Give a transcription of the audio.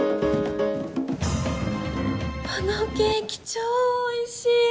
このケーキ超おいしい！